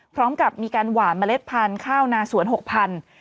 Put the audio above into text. พร้อมกับมีการหวานเมล็ดพันธุ์ข้าวนาสวน๖๐๐บาท